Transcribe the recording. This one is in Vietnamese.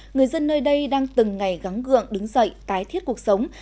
người dân nơi đây đang từng ngày gắng gượng đứng dậy tái thiết cuộc sống